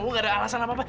lu gak ada alasan apa apa